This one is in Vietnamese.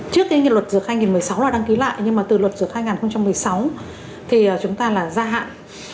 trước cái luật dược hai nghìn một mươi sáu là đăng ký lại nhưng mà từ luật dược hai nghìn một mươi sáu thì chúng ta là gia hạn